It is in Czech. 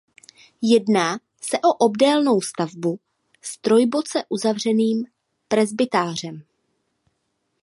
Jedná se o obdélnou stavbu s trojboce uzavřeným presbytářem.